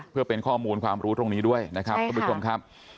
เพื่อเป็นข้อมูลความรู้ตรงนี้ด้วยนะครับทุกผู้ชมครับ